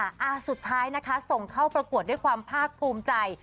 อ่าสุดท้ายนะคะส่งเข้าประกวดด้วยความภาคภูมิใจ